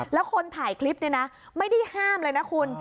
แล้วคนถ่ายคลิปเนี่ยนะไม่ได้ห้ามเลยนะคุณ